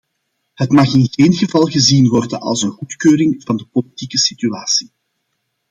Het mag in geen geval gezien worden als een goedkeuring van de politieke situatie.